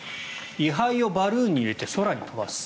遺灰をバルーンに入れて空に飛ばす。